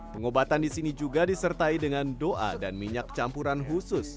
pengobatan di sini juga disertai dengan doa dan minyak campuran khusus